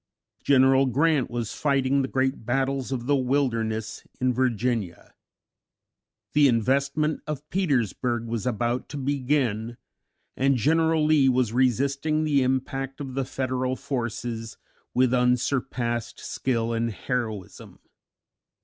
General Grant was fighting the great battles of the Wilderness in Virginia; the investment of Petersburg was about to begin, and General Lee was resisting the impact of the Federal forces with unsurpassed skill and heroism.